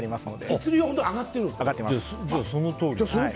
血流は上がってるんですか。